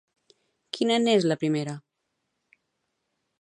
Quina n'és, la primera?